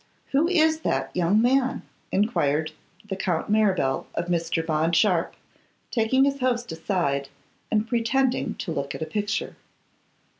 'Who is that young man?' enquired the Count Mirabel of Mr. Bond Sharpe, taking his host aside, and pretending to look at a picture.